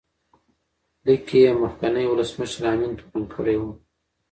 لیک کې یې مخکینی ولسمشر امین تورن کړی و.